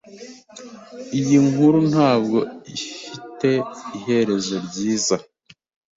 Iyi nkuru ntabwo ifite iherezo ryiza.